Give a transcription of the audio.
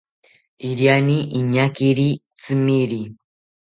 Iriani iñakiri tzimeri